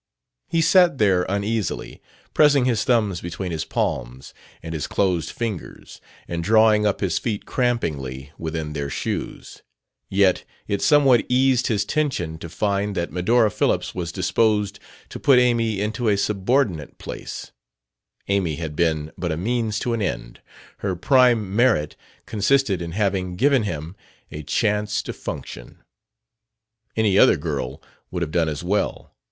He sat there uneasily, pressing his thumbs between his palms and his closed fingers and drawing up his feet crampingly within their shoes; yet it somewhat eased his tension to find that Medora Phillips was disposed to put Amy into a subordinate place: Amy had been but a means to an end her prime merit consisted in having given him a chance to function. Any other girl would have done as well.